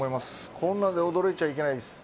こんなので驚いちゃいけないです。